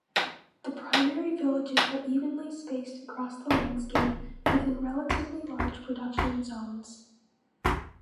The primary villages are evenly spaced across the landscape within relatively large production zones.